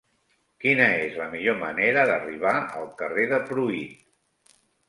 Quina és la millor manera d'arribar al carrer de Pruit?